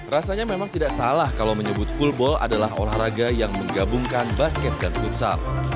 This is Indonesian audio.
rasanya memang tidak salah kalau menyebut fullball adalah olahraga yang menggabungkan basket dan futsal